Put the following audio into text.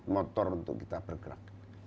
motor untuk kita bergerak